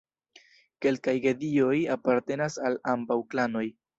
Kelkaj gedioj apartenas al ambaŭ klanoj.